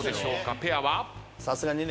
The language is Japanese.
ペアは？